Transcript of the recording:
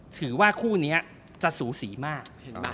ถือว่าคู่นี้จะสูสีมาก